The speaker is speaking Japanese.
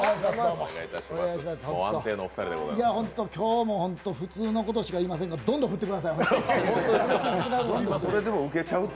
今日も普通のことしか言いませんが、どんどん振ってください。